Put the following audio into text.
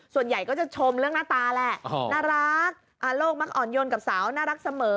ส่วนใหญ่ก็จะชมเรื่องหน้าตาแหละน่ารักโลกมักอ่อนโยนกับสาวน่ารักเสมอ